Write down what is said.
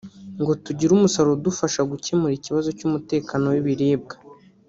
ngo tugire umusaruro udufasha gukemura ikibazo cy’umutekano w’ibiribwa